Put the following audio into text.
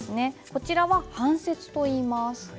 こちらは半切といいます。